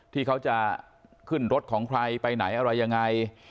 ที่เขาจะขึ้นรถของใครไปไหนอะไรยังไง